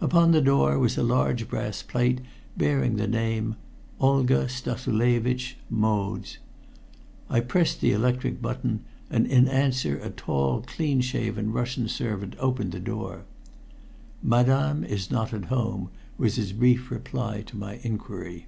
Upon the door was a large brass plate bearing the name, "Olga Stassulevitch: modes." I pressed the electric button, and in answer a tall, clean shaven Russian servant opened the door. "Madame is not at home," was his brief reply to my inquiry.